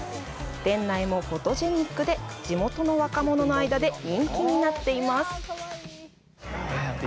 店内もフォトジェニックで、地元の若者の間で人気になっています。